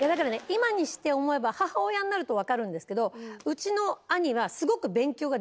今にして思えば母親になると分かるんですけどうちの兄はすごく。